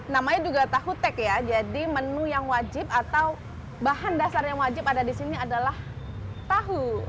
namanya juga tahu tek ya jadi menu yang wajib atau bahan dasar yang wajib ada di sini adalah tahu